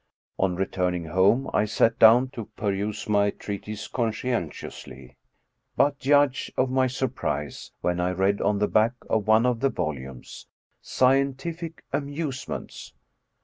On returning home I sat down to peruse my treatise conscientiously, but judge of my surprise when I read on the back of one of the volumes " Scientific Amusements."